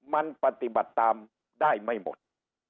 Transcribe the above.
มันปฏิบัติตามได้ไม่หมด